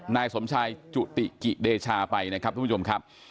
นายสมชายจุติกิเดชาไปนะครับทุกผู้ชมครับ